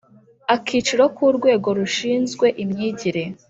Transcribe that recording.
Akiciro ka urwego rushinzwe imyigire